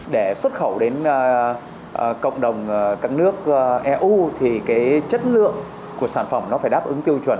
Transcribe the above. để xuất khẩu đến cộng đồng các nước eu thì cái chất lượng của sản phẩm nó phải đáp ứng tiêu chuẩn